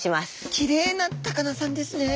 きれいな高菜さんですね。